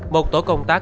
một tổ công tác